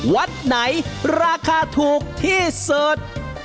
วัดไหนราคาถูกที่สุด